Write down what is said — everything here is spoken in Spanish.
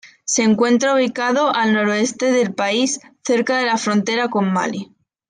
Se encuentra ubicado al noroeste del país, cerca de la frontera con Malí.